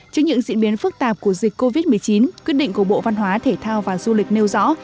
trước những diễn biến phức tạp của dịch covid một mươi chín quyết định của bộ văn hóa thể thao và du lịch nêu rõ